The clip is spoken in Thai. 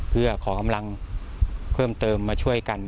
เพื่อขอกำลังเพิ่มเติมมาช่วยกัน